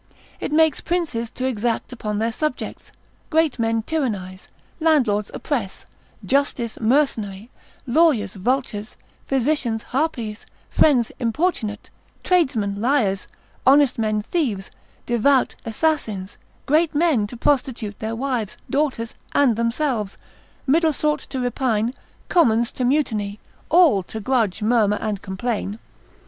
It makes princes to exact upon their subjects, great men tyrannise, landlords oppress, justice mercenary, lawyers vultures, physicians harpies, friends importunate, tradesmen liars, honest men thieves, devout assassins, great men to prostitute their wives, daughters, and themselves, middle sort to repine, commons to mutiny, all to grudge, murmur, and complain.